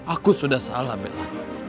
aku sudah salah bella